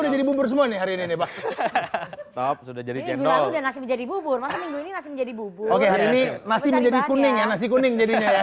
menjadi bubur semua hari ini sudah jadi jadi bubur jadi bubur jadi kuning kuning